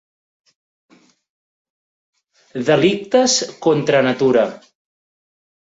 Delictes contra natura.